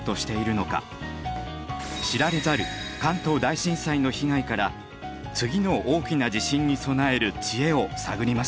知られざる関東大震災の被害から次の大きな地震に備える知恵を探りましょう。